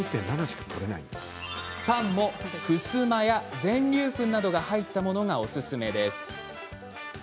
パンもふすまや全粒粉などが入ったものがおすすめです。